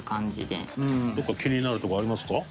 どこか気になるところありますか？